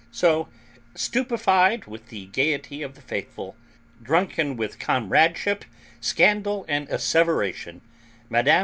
So, stupefied with the gaiety of the 'faithful,' drunken with comradeship, scandal and asseveration, Mme.